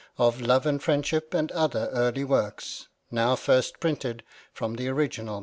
# LOVE & FREINDSHIP AND OTHER EiARLY WORKS NOW FIRST PRINTED FROM THE ORIGINAL MS.